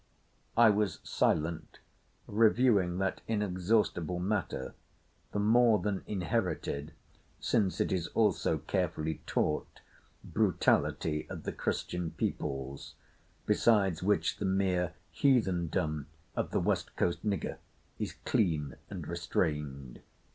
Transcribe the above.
I was silent reviewing that inexhaustible matter—the more than inherited (since it is also carefully taught) brutality of the Christian peoples, beside which the mere heathendom of the West Coast nigger is clean and restrained.